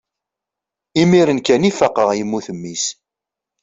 imir-n kan i faqeɣ yemmut mmi-s